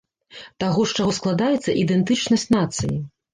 Таго, з чаго складаецца ідэнтычнасць нацыі.